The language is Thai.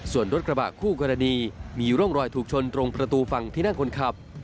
ส่วนรถกระบะคู่กรณีมีร่องรอยถูกชนตรงประตูฝั่งที่นั่งคนขับ